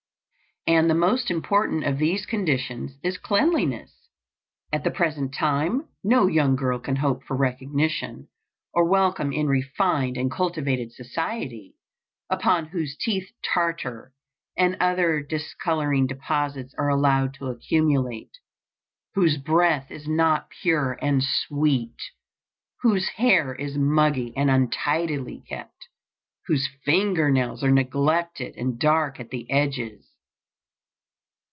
And the most important of these conditions is cleanliness. At the present time, no young girl can hope for recognition or welcome in refined and cultivated society, upon whose teeth tartar and other discoloring deposits are allowed to accumulate; whose breath is not pure and sweet; whose hair is muggy and untidily kept; whose finger nails are neglected and dark at the edges.